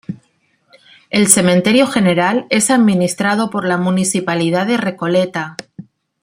El Cementerio General es administrado por la Municipalidad de Recoleta.